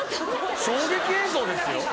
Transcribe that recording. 衝撃映像ですよ。